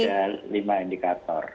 itu ada lima indikator